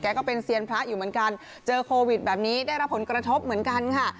ก็เป็นเซียนพระอยู่เหมือนกันเจอโควิดแบบนี้ได้รับผลกระทบเหมือนกันค่ะ